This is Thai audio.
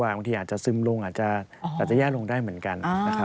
บางทีอาจจะซึมลงอาจจะแย่ลงได้เหมือนกันนะครับ